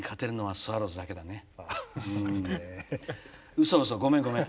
うそうそごめんごめん。